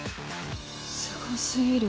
すご過ぎる。